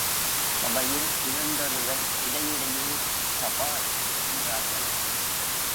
சபையில் இரண்டொருவர் இடையிடையே சபாஷ்! என்றார்கள்.